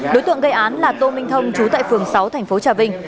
đối tượng gây án là tô minh thông chú tại phường sáu thành phố trà vinh